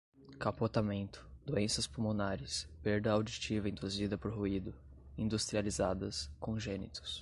capotamento, doenças pulmonares, perda auditiva induzida por ruído, industrializadas, congênitos